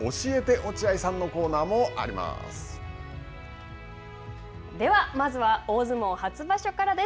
落合さんのコーナーではまずは大相撲初場所からです。